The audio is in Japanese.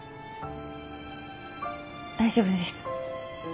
大丈夫です。